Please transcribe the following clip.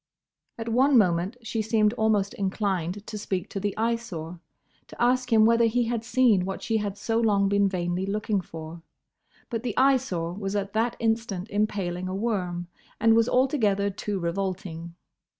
At one moment she seemed almost inclined to speak to the Eyesore; to ask him whether he had seen what she had so long been vainly looking for. But the Eyesore was at that instant impaling a worm, and was altogether too revolting.